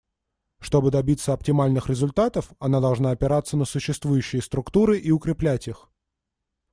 Чтобы добиться оптимальных результатов, она должна опираться на существующие структуры и укреплять их.